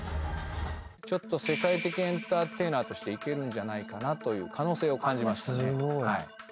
世界的エンターテイナーとしていけるんじゃないかなという可能性を感じましたね。